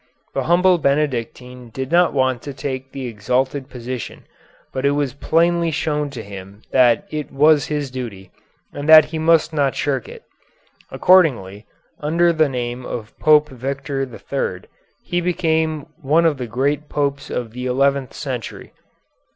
The humble Benedictine did not want to take the exalted position, but it was plainly shown to him that it was his duty, and that he must not shirk it. Accordingly, under the name of Pope Victor III, he became one of the great Popes of the eleventh century.